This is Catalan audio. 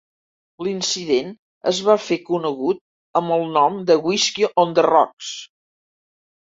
L'incident es va fer conegut amb el nom de "Whisky on the Rocks".